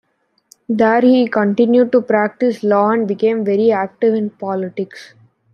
There he continued to practise law and became very active in politics.